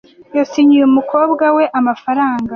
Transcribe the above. Yasinyiye umukobwa we amafaranga.